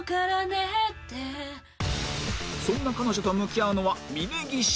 そんな彼女と向き合うのは峯岸！